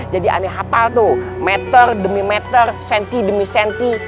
jadi aneh hafal tuh meter demi meter senti demi senti